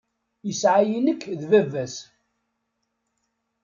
Isɛa-yi nekk d bab-as.